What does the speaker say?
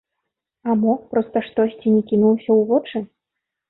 А мо, проста штосьці не кінулася ў вочы?